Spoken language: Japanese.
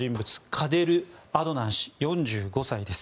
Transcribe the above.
カデル・アドナン氏４５歳です。